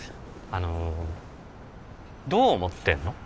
あのどう思ってんの？